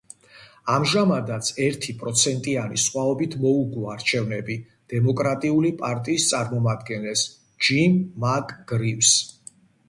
ამჟამადაც ერთ პროცენტიანი სხვაობით მოუგო არჩევნები დემოკრატიული პარტიის წარმომადგენელს, ჯიმ მაკ-გრივს.